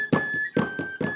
dihukum di tempat lain